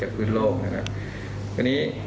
จากพื้นโลกนะครับ